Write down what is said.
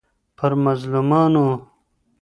پر مظلومانو